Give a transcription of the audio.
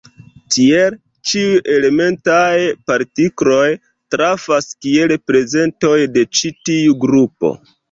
Tiel, ĉiuj elementaj partikloj trafas kiel prezentoj de ĉi tiu grupo.